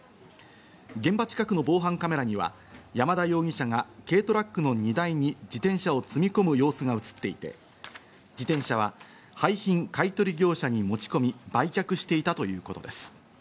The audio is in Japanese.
現場近くの防犯カメラには山田容疑者が軽トラックの荷台に自転車を積み込む様子が映っていて、自転車は廃品買取業者に持ち込み売却していたということです。